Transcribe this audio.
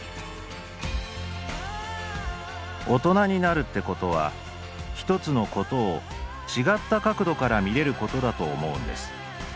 「大人になるってことは一つのことを違った角度から見れることだと思うんです。